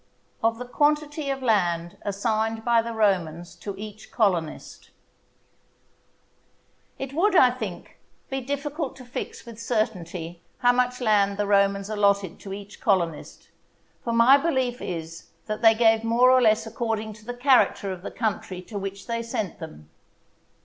—Of the Quantity of Land assigned by the Romans to each Colonist. It would, I think, be difficult to fix with certainty how much land the Romans allotted to each colonist, for my belief is that they gave more or less according to the character of the country to which they sent them.